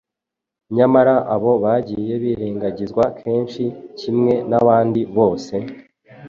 nyamara abo bagiye birengagizwa kenshi kimwe n’abandi bose,